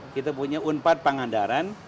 kita punya unpad pangandaran